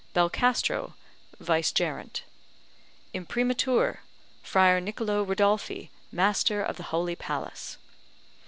BELCASTRO, Vicegerent. Imprimatur, Friar Nicolo Rodolphi, Master of the Holy Palace.